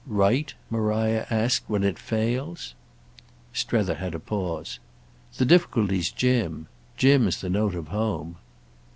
"Right," Maria asked, "when it fails?" Strether had a pause. "The difficulty's Jim. Jim's the note of home."